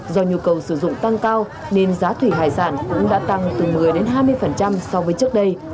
do nhu cầu sử dụng tăng cao nên giá thủy hải sản cũng đã tăng từ một mươi hai mươi so với trước đây